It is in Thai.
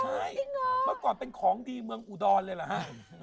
ใช่เมื่อก่อนเป็นของดีเมืองอุดรเลยเหรอฮะ